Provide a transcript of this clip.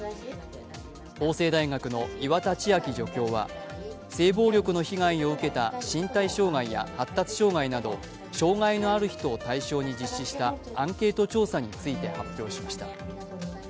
法政大学の岩田千亜紀助教は性暴力の被害を受けた身体障害や発達障害など障害のある人を対象に実施したアンケート調査について発表しました。